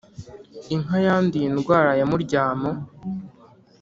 inka yanduye indwara ya muryamo